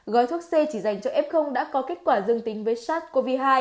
gói thuốc c chỉ dành cho f đã có kết quả dương tính với sars cov hai